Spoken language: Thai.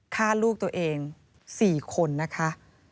ฆ่าลูกตัวเอง๔คนนะคะ